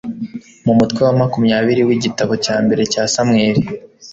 mu mutwe wa makumyabiri w'igitabo cya mbere cya samweli